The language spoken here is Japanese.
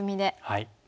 はい。